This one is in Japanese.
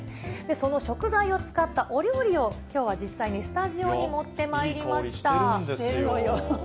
その食材を使ったお料理をきょうは実際にスタジオに持ってまいりいい香りしてるんですよ。